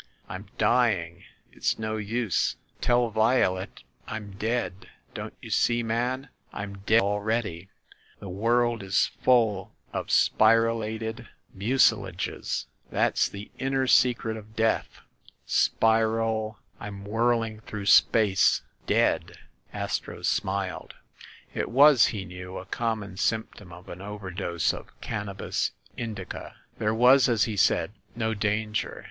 "I'm dying! It's no use ... Tell Violet ... I'm dead ... Don't you see, man? I'm dead al 268 THE MASTER OF MYSTERIES ready ... The world is full of spiralated mucilages ‚ÄĒ that's the inner secret of Death ‚ÄĒ spiral ... I'm whirling through space ... Dead!" Astro smiled. It was, he knew, a common symptom of an overdose of Cannabis Indica. There was, as he said, no danger.